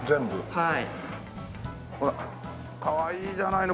はい。